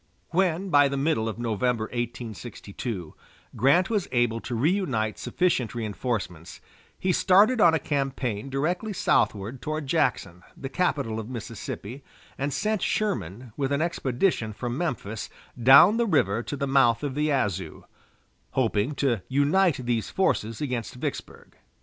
When, by the middle of November, 1862, Grant was able to reunite sufficient reinforcements, he started on a campaign directly southward toward Jackson, the capital of Mississippi, and sent Sherman, with an expedition from Memphis, down the river to the mouth of the Yazoo, hoping to unite these forces against Vicksburg.